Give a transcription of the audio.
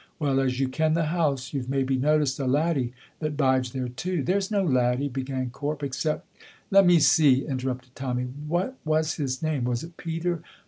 Well, as you ken the house, you've maybe noticed a laddie that bides there too?" "There's no laddie," began Corp, "except " "Let me see," interrupted Tommy, "what was his name? Was it Peter?